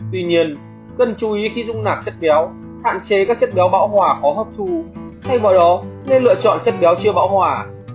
tuy nhiên cần chú ý khi dùng nạc chất béo hạn chế các chất béo bão hòa khó hấp thu thay vào đó nên lựa chọn chất béo chưa bão hòa